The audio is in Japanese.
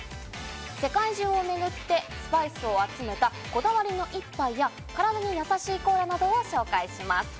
世界中をめぐってスパイスを集めたこだわりの一杯や体にやさしいコーラなどを紹介します。